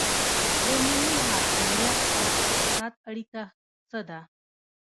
د ملي حاکمیت او اقتصاد اړیکه څه ده؟